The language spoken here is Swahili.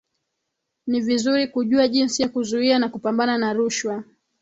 Ni vizuri kujua jinsi ya kuzuia na kupambana na rushwa